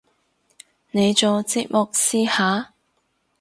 你做節目試下